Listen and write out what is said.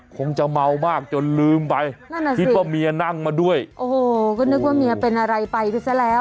คงจะเมามากจนลืมไปคิดว่าเมียนั่งมาด้วยโอ้โหก็นึกว่าเมียเป็นอะไรไปไปซะแล้ว